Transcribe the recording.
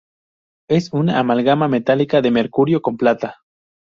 Es una amalgama metálica de mercurio con plata.